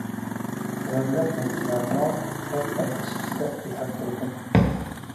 «بۆرىلەر يەنە كېلەرمۇ؟ » دەپ ئەندىشە ئىچىدە بىدار تۇردۇم.